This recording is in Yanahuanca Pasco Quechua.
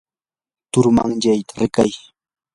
turmanyayta rikay.